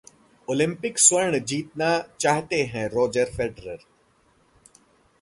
Olympic स्वर्ण जीतना चाहते हैं रोजर फेडरर